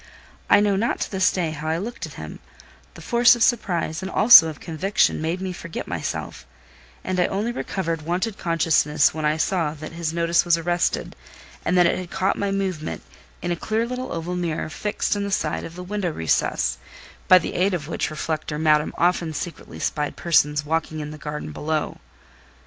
I know not to this day how I looked at him: the force of surprise, and also of conviction, made me forget myself; and I only recovered wonted consciousness when I saw that his notice was arrested, and that it had caught my movement in a clear little oval mirror fixed in the side of the window recess—by the aid of which reflector Madame often secretly spied persons walking in the garden below.